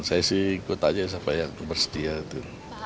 saya sih ikut aja sampai yang bersedia gitu